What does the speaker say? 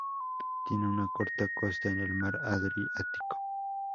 Tiene una corta costa en el Mar Adriático.